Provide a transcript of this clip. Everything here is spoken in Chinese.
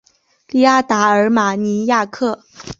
利阿达尔马尼亚克。